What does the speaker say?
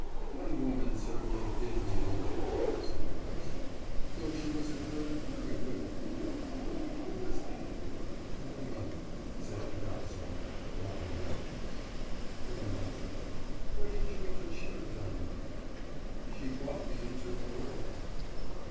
'One woman certainly did me an injury,' said Pigasov, 'though she was a good, very good one.' 'Who was that?' 'My mother,' said Pigasov, dropping his voice. 'Your mother? What injury could she have done you?' 'She brought me into the world.